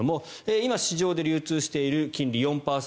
今、市場で流通している金利４％